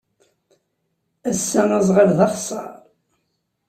Ass-a, aẓɣal d axeṣṣar.